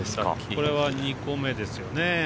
これは２個目ですよね。